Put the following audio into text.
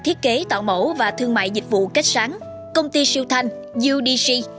thiết kế tạo mẫu và thương mại dịch vụ cách sáng công ty siêu thanh udc